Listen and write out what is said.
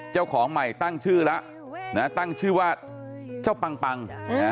เจ้าของใหม่ตั้งชื่อแล้วตั้งชื่อว่าเจ้าปัง